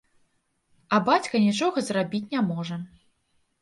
А бацька нічога зрабіць не можа.